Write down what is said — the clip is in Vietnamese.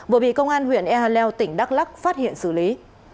vừa bị công an huyện e hà leo tỉnh đắk lắc phát hiện xử lý